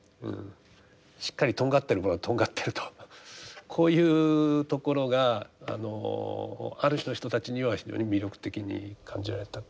しっかりとんがってるものはとんがってるとこういうところがあのある種の人たちには非常に魅力的に感じられたと。